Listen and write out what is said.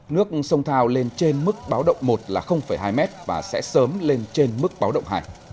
nước sông thao lên trên mức báo động một là hai m và sẽ sớm lên trên mức báo động hai